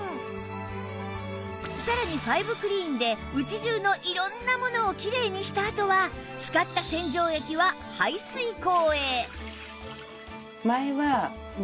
さらにファイブクリーンで家中の色んなものをきれいにしたあとは使った洗浄液は排水口へ